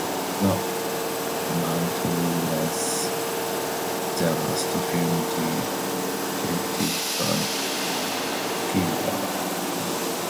"The Manitou" was the last film directed by Girdler.